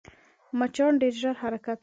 مچان ډېر ژر حرکت کوي